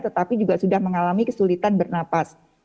tetapi juga sudah mengalami kesulitan bernapas